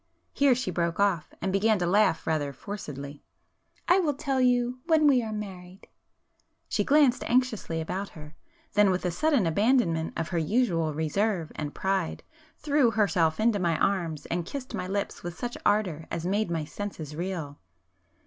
Here she broke off, and began to laugh rather forcedly. "I will tell you ... when we are married." She glanced anxiously about her,—then, with a sudden abandonment of her usual reserve and pride, threw herself into my arms and kissed my lips with such ardour as made my senses reel.